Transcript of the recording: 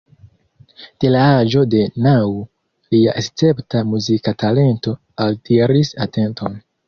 De la aĝo de naŭ lia escepta muzika talento altiris atenton.